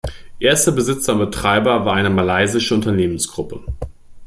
Erster Besitzer und Betreiber war eine malaysische Unternehmensgruppe.